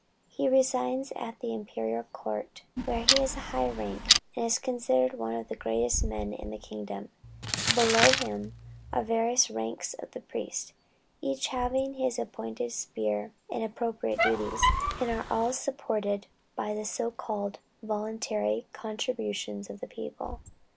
He resides at the imperial court, where he has a high rank, and is considered one of the greatest men in the kingdom. Below him are various ranks of priests, each having his appointed sphere and appropriate duties, and all supported by the so called voluntary contributions of the people.